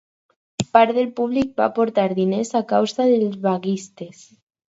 Part del públic va aportar diners a la causa dels vaguistes.